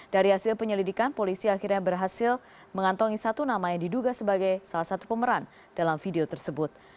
dari hasil penyelidikan polisi akhirnya berhasil mengantongi satu nama yang diduga sebagai salah satu pemeran dalam video tersebut